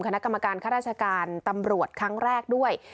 คณะกรรมการข้าราชการตำรวจครั้งแรกด้วย